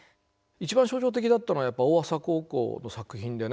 一番象徴的だったのはやっぱり大麻高校の作品でね。